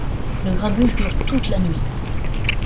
Le grabuge dure toute la nuit.